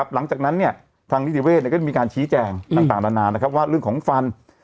หลังจากนั้นทางนิติเวศก็มีการชี้แจงต่างนานาว่าเรื่องของฟัน